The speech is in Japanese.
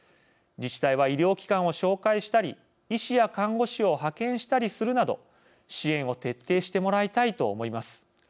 自治体は、医療機関を紹介したり医師や看護師を派遣したりするなど、支援を徹底してもらいたいと思います。